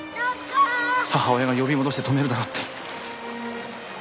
母親が呼び戻して止めるだろうって。